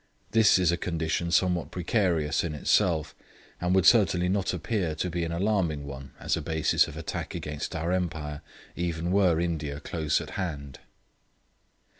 This is a condition somewhat precarious in itself, and would certainly not appear to be an alarming one as a basis of attack against our Empire, even were India close at hand.